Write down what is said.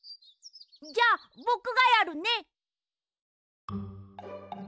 じゃあぼくがやるね！